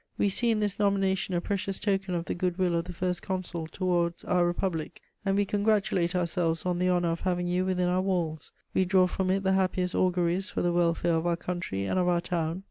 We see in this nomination a precious token of the good will of the First Consul towards our Republic, and we congratulate ourselves on the honour of having you within our walls: we draw from it the happiest auguries for the welfare of our country and of our town.